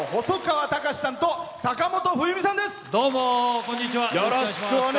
細川たかしさんと坂本冬美さんです。